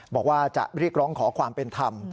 บอกว่าจะเรียกร้องขอความเป็นธรรม